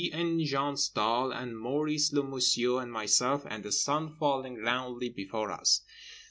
and Jean Stahl and Maurice le Menusier and myself; and the sun falling roundly before us.